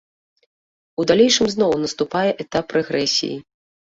У далейшым зноў наступае этап рэгрэсіі.